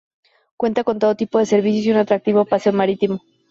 Cuenta con todo tipo de servicios y un atractivo paseo marítimo.